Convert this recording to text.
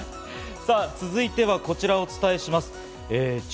さぁ続いては、こちらをお伝えします。